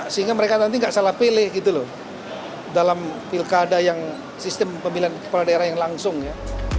sehingga mereka nanti nggak salah pilih gitu loh dalam pilkada yang sistem pemilihan kepala daerah yang langsung ya